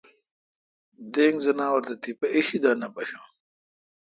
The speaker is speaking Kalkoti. دینگ زناور تہ تیپہ اݭی دا نہ پشان۔